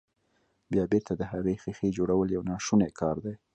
بيا بېرته د هغې ښيښې جوړول يو ناشونی کار دی.